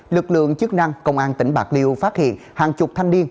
lực lượng chức năng công an tỉnh bạc liêu phát hiện hàng chục thanh niên